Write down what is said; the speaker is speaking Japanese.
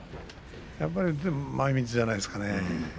だから前みつじゃないですかね。